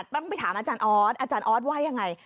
ไปถามอาจารย์ออทนี้อาจารย์ออทไว้ยังไง